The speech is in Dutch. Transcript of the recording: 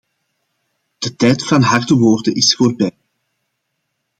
De tijd van harde woorden is voorbij.